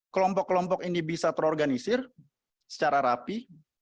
kelompok kelompok ini bisa terorganisir secara rapi